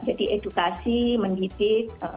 jadi edukasi mendidik